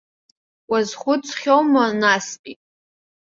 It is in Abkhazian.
Уазхәыцхьоума настәи?